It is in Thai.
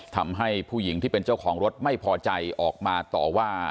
ทำให้ผู้หญิงที่เป็นเจ้าของรถไม่พอใจออกมาต่อว่า